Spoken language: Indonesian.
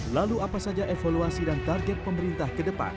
lalu apa saja evaluasi dan target pemerintah ke depan